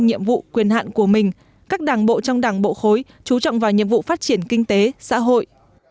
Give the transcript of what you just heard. nhiệm vụ quyền hạn của mình các đảng bộ trong đảng bộ khối chú trọng vào nhiệm vụ phát triển kinh tế xã hội